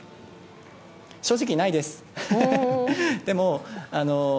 正直、ないです。